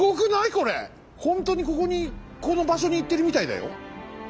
ほんとにここにこの場所に行ってるみたいだよ。